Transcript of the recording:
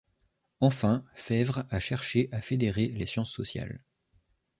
Enfin, Febvre a cherché à fédérer les sciences sociales.